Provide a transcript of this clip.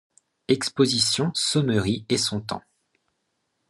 Exposition Saumery et son temps.